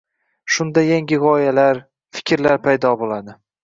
Shunda yangi g‘oyalar, fikrlar paydo bo‘ladi.